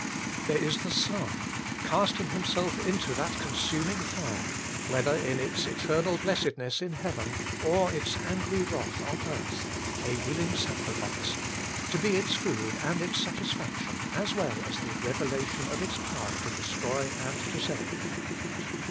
There is the Son, casting Himself into that consuming fire, whether in its eternal blessed ness in heaven, or its angry wrath on earth, a willing sacrifice, to be its food and its satisfaction, THE THRICE HOLY ONE. Ill as well as the revelation of its power to destroy and to save.